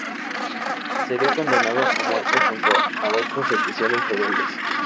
Sería condenado a muerte junto a otros oficiales rebeldes.